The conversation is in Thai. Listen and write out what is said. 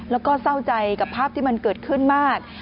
แล้วก็เศร้าใจกับภาพที่มันเกิดขึ้นมาก